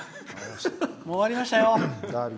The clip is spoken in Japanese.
終わりましたよ。